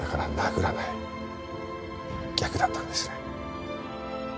逆だったんですね。